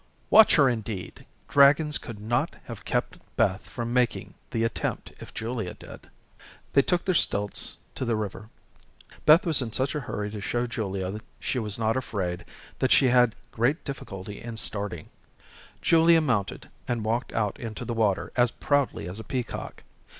Watch her indeed! Dragons could not have kept Beth from making the attempt if Julia did. They took their stilts to the river. Beth was in such a hurry to show Julia she was not afraid, that she had great difficulty in starting. Julia mounted, and walked out into the water as proudly as a peacock.